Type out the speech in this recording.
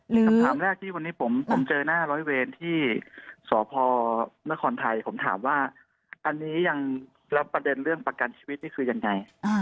คำถามแรกที่วันนี้ผมเจอหน้าร้อยเวรที่สพนครไทยผมถามว่าอันนี้ยังแล้วประเด็นเรื่องประกันชีวิตนี่คือยังไง